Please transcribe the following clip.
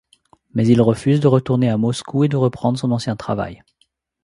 Mais il refuse de retourner à Moscou et de reprendre son ancien travail.